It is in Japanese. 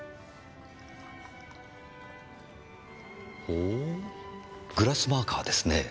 ほぉグラスマーカーですね。